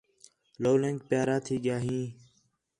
لَولینک پیارا تھی ڳِیا ہیں